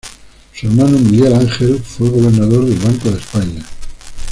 Su hermano Miguel Ángel fue gobernador del Banco de España.